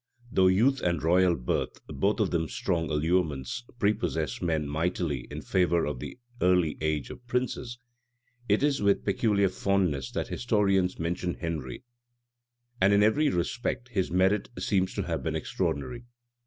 Though youth and royal birth, both of them strong allurements, prepossess men mightily in favor of the early age of princes, it is with peculiar fondness that historians mention Henry, and, in every respect, his merit seems to have been extraordinary.